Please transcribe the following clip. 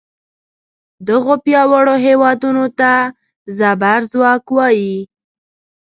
دغو پیاوړو هیوادونو ته زبر ځواک وایي.